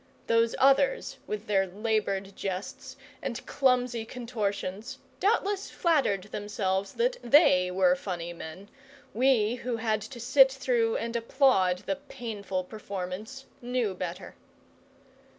Those others, with their laboured jests and clumsy contortions, doubtless flattered themselves that THEY were funny men; we, who had to sit through and applaud the painful performance, knew better.